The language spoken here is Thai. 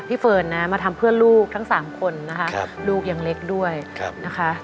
พี่เฟิร์นมาทำเพื่อนลูกทั้ง๓คนนะครับลูกอย่างเล็กด้วยนะครับ